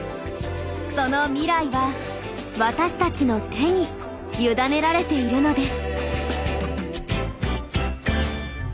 その未来は私たちの手に委ねられているのです。